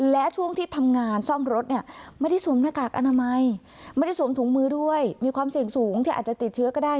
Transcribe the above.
และช่วงที่ทำงานซ่อมรถเนี่ยไม่ได้สวมหน้ากากอนามัยไม่ได้สวมถุงมือด้วยมีความเสี่ยงสูงที่อาจจะติดเชื้อก็ได้